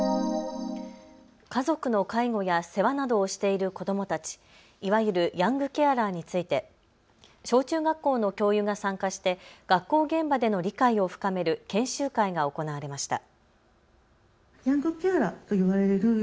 家族の介護や世話などをしている子どもたち、いわゆるヤングケアラーについて小中学校の教諭が参加して学校現場での理解を深める研修会が行われました。